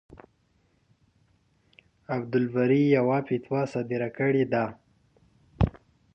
عبدالباري يوه فتوا صادره کړې ده.